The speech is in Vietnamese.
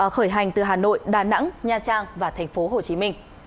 khởi hành từ hà nội đà nẵng nha trang và tp hcm